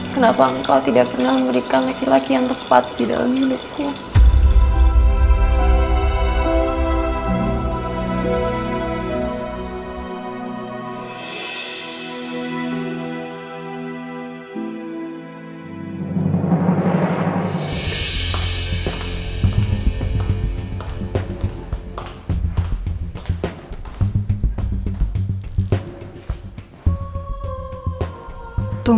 kenapa engkau tidak pernah memberikan laki laki yang tepat di dalam hidupku